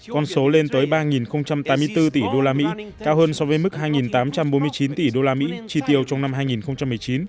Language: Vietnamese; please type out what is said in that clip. con số lên tới ba tám mươi bốn tỷ đô la mỹ cao hơn so với mức hai tám trăm bốn mươi chín tỷ đô la mỹ chi tiêu trong năm hai nghìn một mươi chín